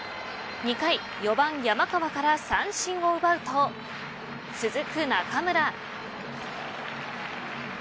２回、４番山川から三振を奪うと続く中村。